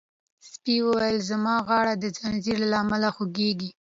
سپي وویل چې زما غاړه د زنځیر له امله خوږیږي.